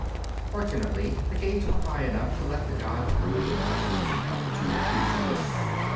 Fortunately, the gates were high enough to let the god through without losing altitude appreciably.